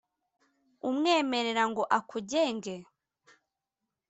umwemerera ngo akugenge?